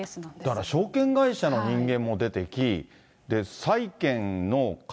だから証券会社の人間も出てき、そうです。